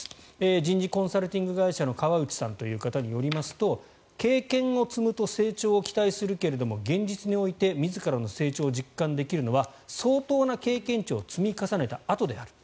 人事コンサルティング会社の川内さんという方によりますと経験を積むと成長を期待するけども現実において自らの成長を実感できるのは相当な経験値を積み重ねたあとである。